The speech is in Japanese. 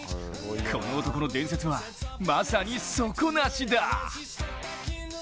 この男の伝説は、まさに底なしだ。